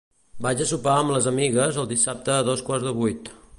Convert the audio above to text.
Vaig a sopar amb les amigues el dissabte a dos quarts de vuit.